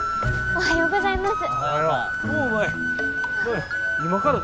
おはようございます。